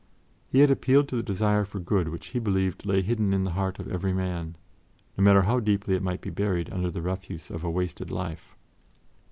He had appealed to the desire for good which he believed lay hidden in the heart of every man, no matter how deeply it might be buried under the refuse of a wasted life.